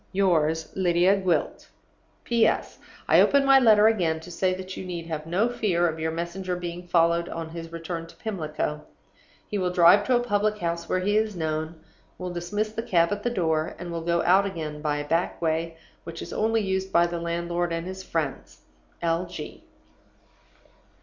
Yours, "LYDIA GWILT. "P.S. I open my letter again to say that you need have no fear of your messenger being followed on his return to Pimlico. He will drive to a public house where he is known, will dismiss the cab at the door, and will go out again by a back way which is only used by the landlord and his friends. L. G."